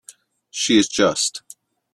She is just.